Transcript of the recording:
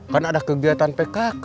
kan ada kegiatan pkk